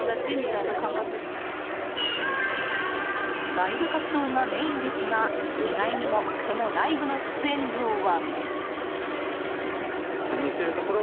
ライブ活動がメインですが意外にもそのライブの出演料は。